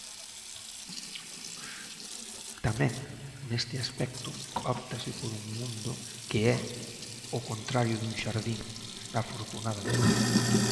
Tamén neste aspecto óptase por un mundo que é "o contrario dun xardín, afortunadamente".